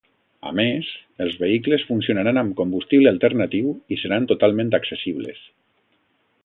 A més, els vehicles funcionaran amb combustible alternatiu i seran totalment accessibles.